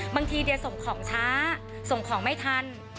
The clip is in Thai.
บางทีเดียส่งของช้าส่งของไม่ทัน